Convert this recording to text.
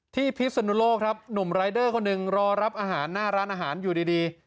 พิศนุโลกครับหนุ่มรายเดอร์คนหนึ่งรอรับอาหารหน้าร้านอาหารอยู่ดี